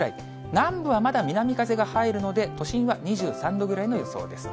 南部はまだ南風が入るので、都心は２３度ぐらいの予想です。